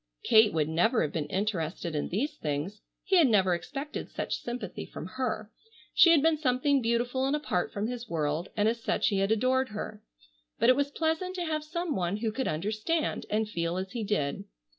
Kate would never have been interested in these things. He had never expected such sympathy from her. She had been something beautiful and apart from his world, and as such he had adored her. But it was pleasant to have some one who could understand and feel as he did.